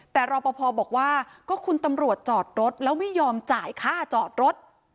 แต่รอปภบอกว่าก็คุณตำรวจจอดรถแล้วไม่ยอมจ่ายค่าจอดรถ